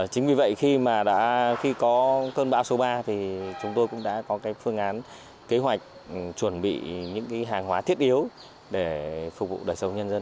chính vì vậy khi mà đã khi có cơn bão số ba thì chúng tôi cũng đã có phương án kế hoạch chuẩn bị những hàng hóa thiết yếu để phục vụ đời sống nhân dân